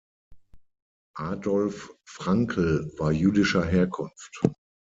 Adolf Frankl war jüdischer Herkunft.